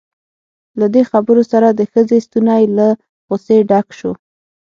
له دې خبرو سره د ښځې ستونی له غصې ډک شو.